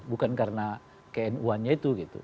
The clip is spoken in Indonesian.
bukan karena knu annya itu gitu